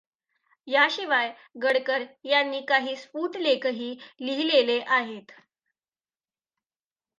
याशिवाय, गडकर् यांनी काही स्फुट लेखही लिहिलेले आहेत.